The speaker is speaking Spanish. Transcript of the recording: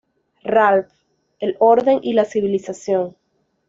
Ralph, el orden y la civilización.